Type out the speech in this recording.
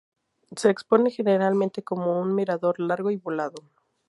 Se expone generalmente como un mirador largo y volado.